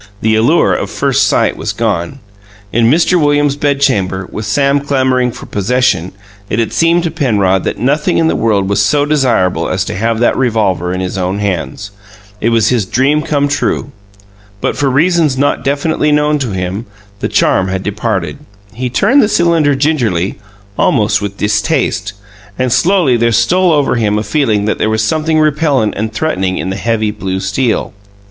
The allure of first sight was gone. In Mr. Williams' bedchamber, with Sam clamouring for possession, it had seemed to Penrod that nothing in the world was so desirable as to have that revolver in his own hands it was his dream come true. But, for reasons not definitely known to him, the charm had departed; he turned the cylinder gingerly, almost with distaste; and slowly there stole over him a feeling that there was something repellent and threatening in the heavy blue steel.